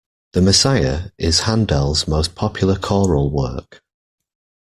The Messiah is Handel's most popular choral work